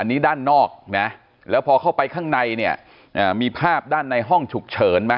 อันนี้ด้านนอกนะแล้วพอเข้าไปข้างในเนี่ยมีภาพด้านในห้องฉุกเฉินไหม